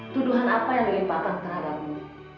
tuduhan apa yang dilimpahkan terhadapmu